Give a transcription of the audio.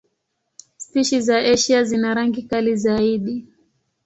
Spishi za Asia zina rangi kali zaidi.